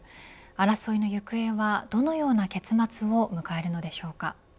争いの行方はどのような結末を迎えるのでしょうか。